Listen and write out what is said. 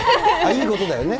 いいことだよね。